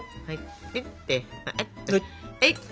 はい！